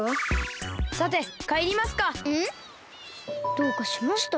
どうかしました？